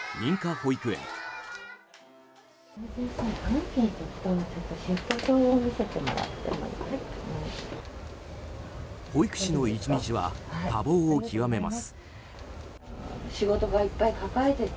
保育士の１日は多忙を極めます。